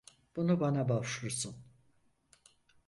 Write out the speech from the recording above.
Bunu bana borçlusun.